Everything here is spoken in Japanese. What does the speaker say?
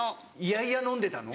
嫌々飲んでたの？